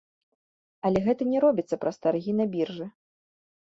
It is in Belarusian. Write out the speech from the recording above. Але гэта не робіцца праз таргі на біржы.